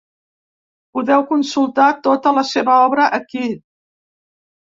Podeu consultar tota la seva obra aquí.